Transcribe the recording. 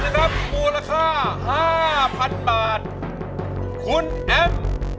ร้องได้ให้ร้าง